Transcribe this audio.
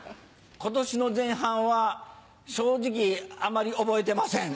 今年の前半は正直あまり覚えてません。